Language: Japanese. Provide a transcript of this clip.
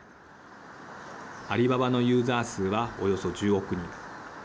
アリババのユーザー数はおよそ１０億人。